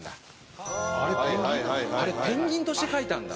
あれペンギンとして描いたんだ。